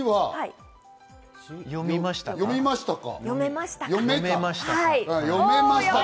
よみましたか。